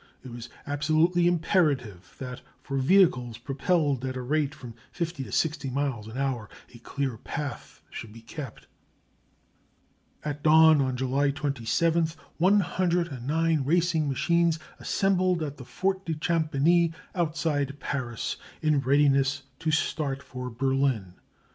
It was absolutely imperative that for vehicles propelled at a rate of from 50 to 60 miles an hour a clear path should be kept. At dawn, on July 27th, 109 racing machines assembled at the Fort de Champigny, outside Paris, in readiness to start for Berlin.